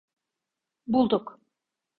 Bulduk.